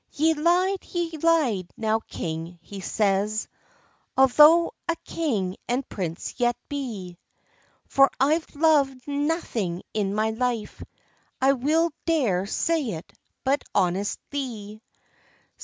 "Ye lied, ye lied, now, king," he says, "Altho' a king and prince ye be! For I've loved naething in my life, I weel dare say it, but honestie.